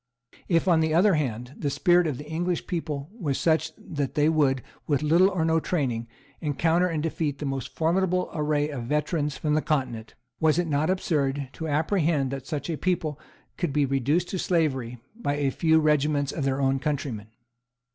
If, on the other hand, the spirit of the English people was such that they would, with little or no training, encounter and defeat the most formidable array of veterans from the continent, was it not absurd to apprehend that such a people could be reduced to slavery by a few regiments of their own countrymen?